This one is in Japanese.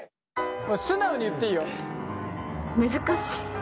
素直に言っていいよ。